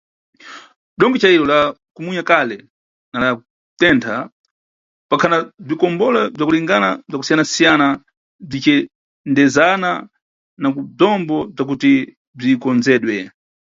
Dongo cayiro, la kumunya kale, na la kutentha, pakhana bzikombole bzakulinganira na bzakusiayana-siyana bzicidezana na bzombo bzakuti bzikonzedwe.